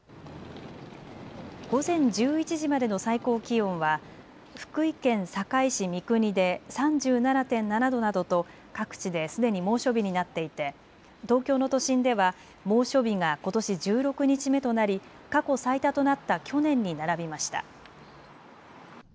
午前１１時までの最高気温は福井県坂井市三国で３７．７度などと各地ですでに猛暑日になっていて東京の都心では猛暑日がことし１６日目となり過去最多となった去年に並びました。